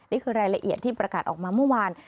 นี่คือรายละเอียดที่ประกาศออกมาเมื่อวาน